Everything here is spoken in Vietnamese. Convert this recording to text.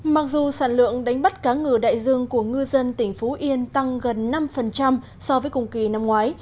mặc dù sản lượng đánh bắt cá ngừ đại dương của ngư dân tỉnh phú yên tăng gần năm so với cùng kỳ năm ngoái